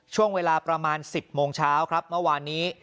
ช่วงเวลาประมาณ๑๐โมงเช้าครับเมื่อวานนี้